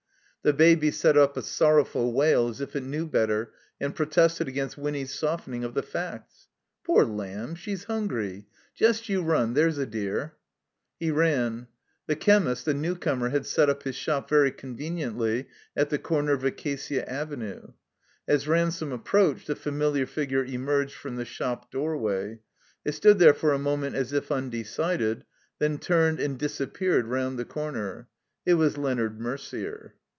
The Baby set up a sonx>wf ul wail as if it knew better and protested against Winny's softening of the facts. "Poor lamb, she's hungry. Jest you run, there's a dear." He ran. The chemist, a newcomer, had set up his shop very conveniently at the comer of Acacia Avenue. As Ransome approached, a familiar figure emerged from the shop doorway; it stood there for a moment as if undecided, then turned and disappeared round the comer. It was I^eonard Merder.